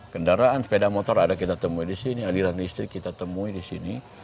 kendaraan sepeda motor ada kita temui disini aliran listrik kita temui disini